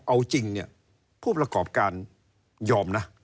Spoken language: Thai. เอาจริงเนี่ยผู้ประกอบการยอมนะ